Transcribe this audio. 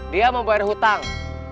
dia mau bayar hutang